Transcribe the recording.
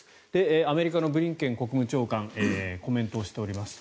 アメリカのブリンケン国務長官コメントをしております。